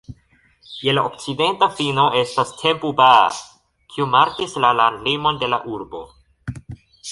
Je la okcidenta fino estas Temple Bar, kiu markis la landlimon de la urbo.